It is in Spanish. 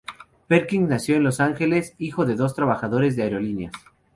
Perkins nació en Los Ángeles, hijo de dos trabajadores de aerolíneas.